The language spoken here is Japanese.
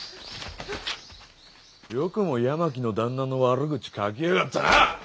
よくも八巻の旦那の悪口書きやがったな！